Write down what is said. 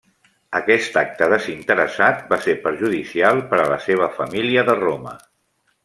Aquest acte desinteressat va ser perjudicial per a la seva família de Roma.